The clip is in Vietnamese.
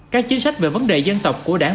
các chính sách về vấn đề dân tộc của đảng